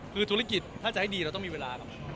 คือธุรกิจถ้าจะให้ดีเราต้องมีเวลาครับ